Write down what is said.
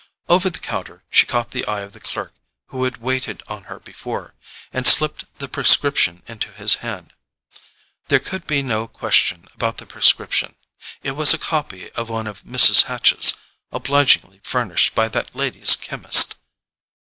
Over the counter she caught the eye of the clerk who had waited on her before, and slipped the prescription into his hand. There could be no question about the prescription: it was a copy of one of Mrs. Hatch's, obligingly furnished by that lady's chemist.